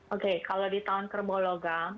oke kalau di tahun kerbologam